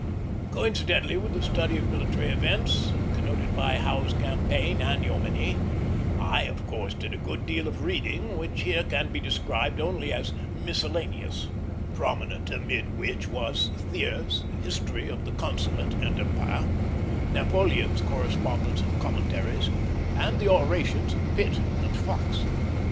Coincidently with the study of military events, connoted by Howe's campaign and Jomini, I of course did a good deal of reading which here can be described only as miscellaneous; prominent amid which was Thiers's History of the Consulate and Empire, Napoleon's Correspondence and Commentaries, and the orations of Pitt and Fox.